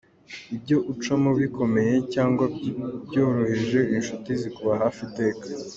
Ibyo ucamo bikomeye cyangwa byoroheje, inshuti zikuba hafi iteka.